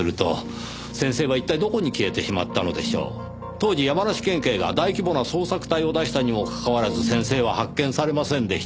当時山梨県警が大規模な捜索隊を出したにもかかわらず先生は発見されませんでした。